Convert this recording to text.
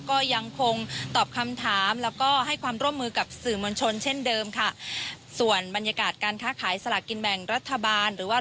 ก็ยังคงตอบคำถามแล้วก็ให้ความร่วมมือกับสื่อมวลชนเช่นเดิมค่ะส่วนบรรยากาศการค้าขายสลากกินแบ่งรัฐบาลหรือว่า